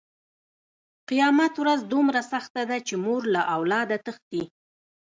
قیامت ورځ دومره سخته ده چې مور له اولاده تښتي.